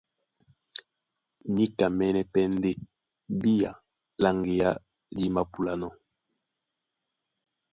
Níkamɛ́nɛ́ pɛ́ ndé bía lá ŋgeá dí māpúlanɔ́.